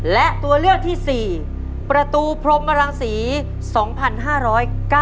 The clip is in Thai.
และตัวเลือกที่สี่ประตูพรมมรังศรีสองพันห้าร้อยเก้า